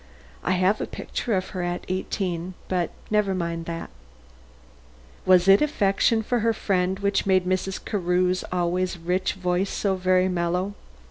I have a picture of her at eighteen but never mind that." Was it affection for her friend which made Mrs. Carew's always rich voice so very mellow?